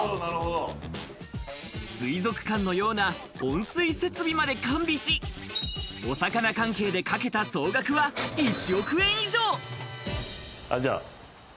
水族館のような温水設備まで完備し、お魚関係でかけた総額は１億円以上。